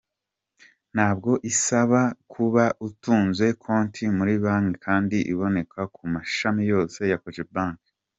Ntabwo isaba kuba utunze konti muri banki kandi iboneka ku mashami yose ya Cogebanque.